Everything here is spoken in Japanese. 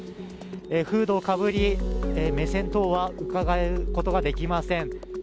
フードをかぶり、目線等はうかがうことができません。